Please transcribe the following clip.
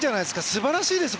素晴らしいですよ